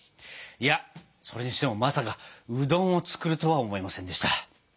いやそれにしてもまさかうどんを作るとは思いませんでした。